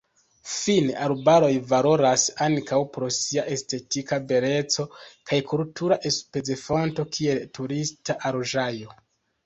Fine arbaroj valoras ankaŭ pro sia estetika beleco kaj kultura enspezofonto kiel turista allogaĵo.